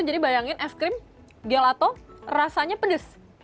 jadi bayangin es krim gelato rasanya pedes